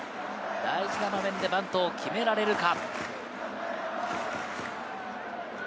大事な場面でバントを決められるか。